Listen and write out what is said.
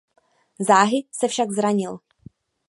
Záhy se však zranil.